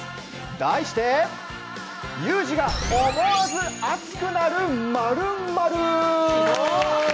題して「裕二が思わず熱くなる〇〇」